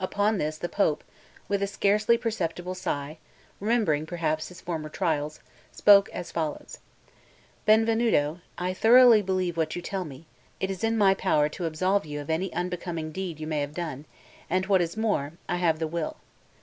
Upon this the Pope, with a scarcely perceptible sigh, remembering perhaps his former trials, spoke as follows: "Benvenuto, I thoroughly believe what you tell me; it is in my power to absolve you of any unbecoming deed you may have done, and, what is more, I have the will.